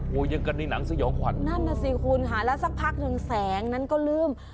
โอ้โหยังกันในหนังสยองขวัญนั่นน่ะสิคุณค่ะแล้วสักพักหนึ่งแสงนั้นก็ลืม